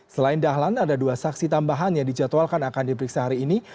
selain dahlan ada dua saksi tambahan yang dijadwalkan akan diperiksa hari ini